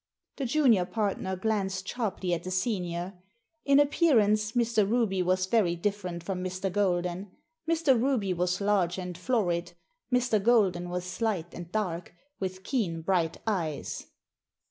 The junior partner glanced sharply at the senior. In appearance Mr. Ruby was very different from Mr. Golden. Mr. Ruby was large and florid. Mr. Golden was slight and dark, with keen, bright eyes.